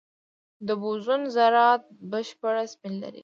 د بوزون ذرات بشپړ سپین لري.